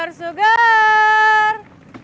tidak apa apa pak